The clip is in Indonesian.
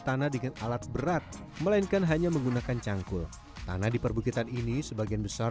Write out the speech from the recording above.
karena kalau nggak pakai pasir